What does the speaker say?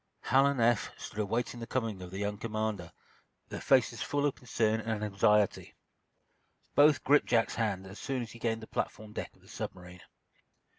Hal and Eph stood awaiting the coming of their young commander, their faces full of concern and anxiety. Both gripped Jack's hand as soon as he gained the platform deck of the submarine.